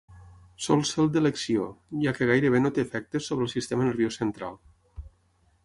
Sol ser el d'elecció, ja que gairebé no té efectes sobre el sistema nerviós central.